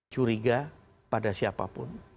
curiga pada siapapun